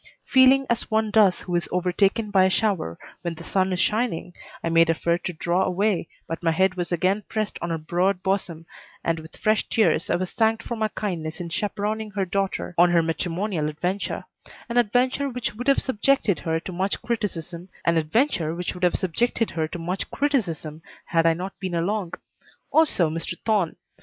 Feeling as one does who is overtaken by a shower when the sun is shining, I made effort to draw away, but my head was again pressed on her broad bosom, and with fresh tears I was thanked for my kindness in chaperoning her daughter on her matrimonial adventure; an adventure which would have subjected her to much criticism had I not been along. Also Mr. Thorne.